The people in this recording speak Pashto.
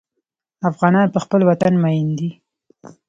افغانان په خپل وطن مین دي.